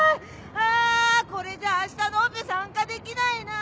あこれじゃ明日のオペ参加できないな！